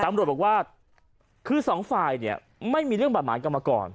ตำรวจบอกว่าคือสองฝ่ายเนี่ยไม่มีเรื่องบาดหมางกันมาก่อน